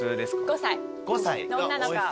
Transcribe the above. ５歳女の子。